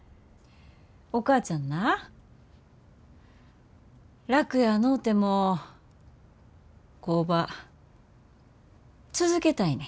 お母ちゃんな楽やのうても工場続けたいねん。